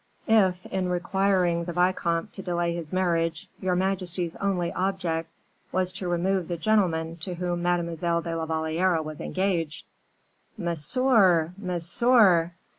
"If, in requiring the vicomte to delay his marriage, your majesty's only object was to remove the gentleman to whom Mademoiselle de la Valliere was engaged " "Monsieur! monsieur!"